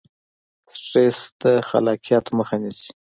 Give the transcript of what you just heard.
سټرس د خلاقیت مخه نیسي.